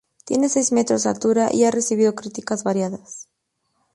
Tiene seis metros de altura, y ha recibido críticas variadas.